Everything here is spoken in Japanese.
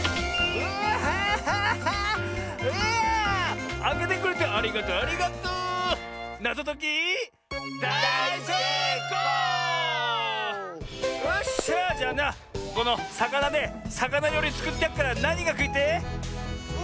よっしゃじゃあなこのさかなでさかなりょうりつくってやっからなにがくいてえ？